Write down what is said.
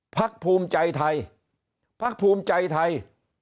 พักภูมิใจไทยพักภูมิใจไทย